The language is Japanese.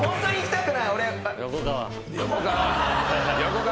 横川。